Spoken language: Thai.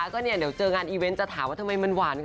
เดี๋ยวเจอกับงานอีเวนต์จะถามว่าทำไมมันหวานกัน